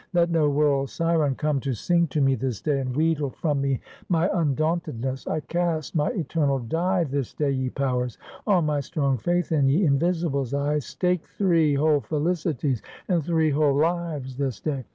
Let no world syren come to sing to me this day, and wheedle from me my undauntedness. I cast my eternal die this day, ye powers. On my strong faith in ye Invisibles, I stake three whole felicities, and three whole lives this day.